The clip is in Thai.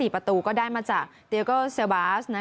๔ประตูก็ได้มาจากเดียโก้เซลบาส